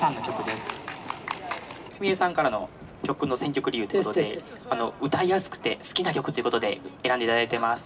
フミエさんからの曲の選曲理由ということで歌いやすくて好きな曲ということで選んで頂いてます。